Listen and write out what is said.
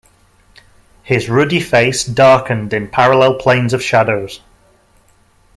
His ruddy face darkened in parallel planes of shadows.